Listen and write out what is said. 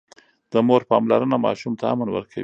د مور پاملرنه ماشوم ته امن ورکوي.